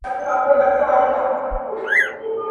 o په مرگ ئې و نيسه، په تبه ئې راضي که!